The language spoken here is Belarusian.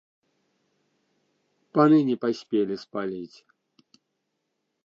Паны не паспелі спаліць.